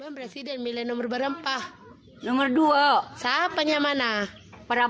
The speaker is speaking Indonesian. yang terakhir adalah kisah yang terakhir